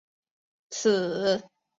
此党于犹太人大起义期间十分著名。